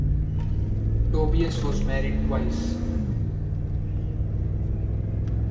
Tobias was married twice.